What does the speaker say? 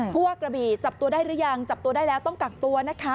ผู้ว่ากระบี่จับตัวได้หรือยังจับตัวได้แล้วต้องกักตัวนะคะ